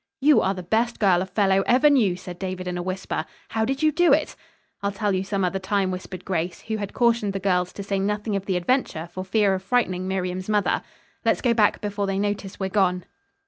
"You are the best girl a fellow ever knew," said David in a whisper. "How did you do it?" "I'll tell you some other time," whispered Grace, who had cautioned the girls to say nothing of the adventure for fear of frightening Miriam's mother. "Let's go back before they notice we're gone."